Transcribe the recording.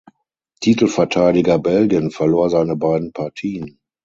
Titelverteidiger Belgien verlor seine beiden Partien.